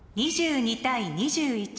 ２２対２１。